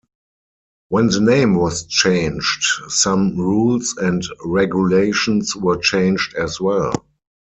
When the name was changed, some rules and regulations were changed as well.